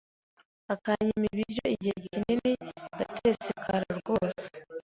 akanyima ibiryo igihe kinini ndatesekara rwose